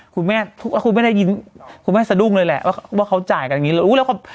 คุณแม่คุณแม่ได้ยินคุณแม่สะดุ้งเลยแหละว่าเขาจ่ายกันอย่างนี้